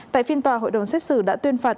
tại phiên tòa hội đồng xét xử đã tuyên phạt